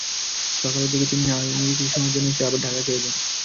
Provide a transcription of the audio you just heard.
সকালের দিকে তিনি নারায়ণগঞ্জে কিছু সময়ের জন্য এসে আবার ঢাকায় ফিরে যান।